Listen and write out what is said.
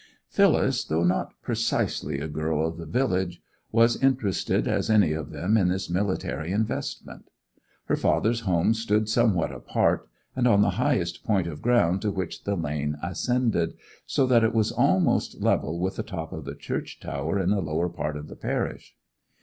Phyllis, though not precisely a girl of the village, was as interested as any of them in this military investment. Her father's home stood somewhat apart, and on the highest point of ground to which the lane ascended, so that it was almost level with the top of the church tower in the lower part of the parish.